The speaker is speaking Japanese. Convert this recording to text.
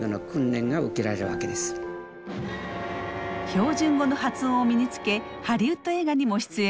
標準語の発音を身につけハリウッド映画にも出演。